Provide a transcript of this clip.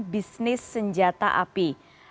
bisnis senjata api